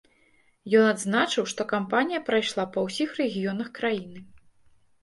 Ён адзначыў, што кампанія прайшла па ўсіх рэгіёнах краіны.